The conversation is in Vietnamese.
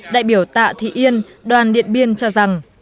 đại biểu tạ thị yên đoàn điện biên cho rằng